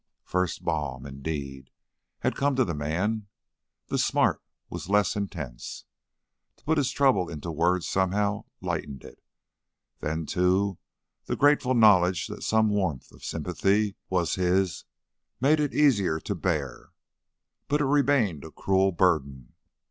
First balm, indeed, had come to the man; the smart was less intense. To put his trouble into words somehow lightened it; then, too, the grateful knowledge that some warmth of sympathy was his made it easier to bear. But it remained a cruel burden.